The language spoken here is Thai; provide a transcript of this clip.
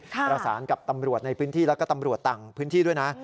ประสานกับตำรวจในพื้นที่แล้วก็ตำรวจต่างพื้นที่ด้วยนะ